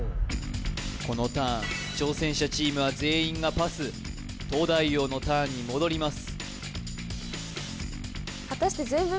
このターン挑戦者チームは全員がパス東大王のターンに戻ります